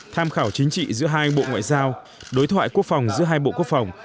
tham khảo chính trị giữa hai bộ ngoại giao đối thoại quốc phòng giữa hai bộ quốc phòng